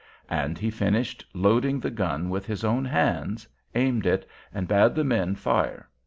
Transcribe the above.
And he finished loading the gun with his own hands, aimed it, and bade the men fire.